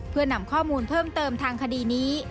เพื่อนำข้อมูลเพิ่มเติมทางคดีนี้